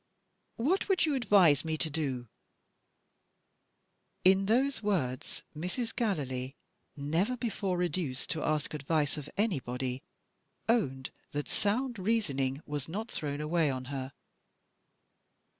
"What would you advise me to do?" In those words Mrs. Gallilee never before reduced to ask advice of anybody owned that sound reasoning was not thrown away on her.